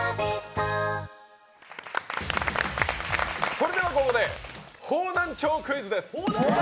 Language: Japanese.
それではここで方南町クイズです。